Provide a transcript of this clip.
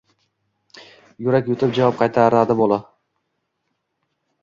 Yurak yutib javob qaytaradi bola.